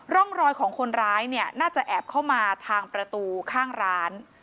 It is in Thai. ร่องรอยของคนร้ายเนี่ยน่าจะแอบเข้ามาทางประตูข้างร้าน